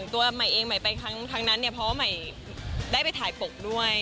ตัวใหม่เองใหม่ไปครั้งนั้นเนี่ยเพราะว่าใหม่ได้ไปถ่ายปกด้วย